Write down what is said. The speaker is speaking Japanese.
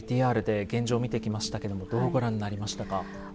ＶＴＲで現状見てきましたけどもどうご覧になりましたか？